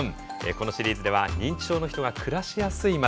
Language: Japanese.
このシリーズでは認知症の人が暮らしやすい町